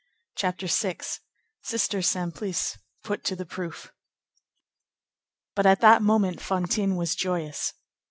CHAPTER VI—SISTER SIMPLICE PUT TO THE PROOF But at that moment Fantine was joyous.